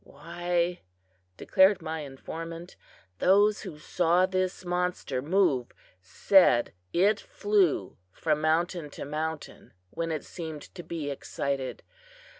"Why," declared my informant, "those who saw this monster move said that it flew from mountain to mountain when it seemed to be excited.